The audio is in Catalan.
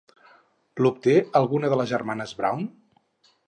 L'obté alguna de les germanes Brown?